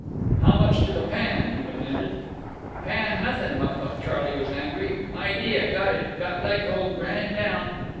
"How much to the pan?" he demanded. "Pan nothin'!" Mucluc Charley was angry. "Idea—got it—got leg hold—ran it down."